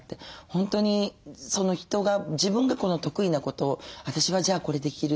本当に人が自分が得意なことを私はじゃあこれできる。